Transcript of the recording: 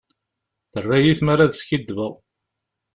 Terra-yi tmara ad skiddbeɣ.